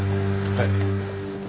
はい。